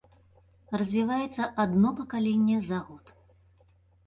Развіваецца адно пакаленне за год.